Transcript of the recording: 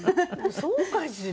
そうかしら？